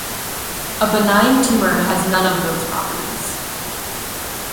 A benign tumor has none of those properties.